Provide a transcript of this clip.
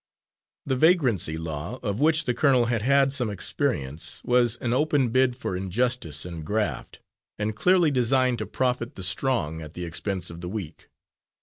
The vagrancy law, of which the colonel had had some experience, was an open bid for injustice and "graft" and clearly designed to profit the strong at the expense of the weak.